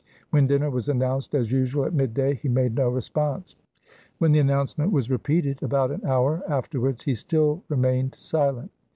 When dinner was announced, as usual at mid day, he made no response. When the announcement was repeated about an hour after wards, he still remained silent.